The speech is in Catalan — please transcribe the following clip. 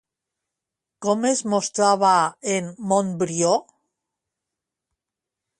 Com es mostrava en Montbrió?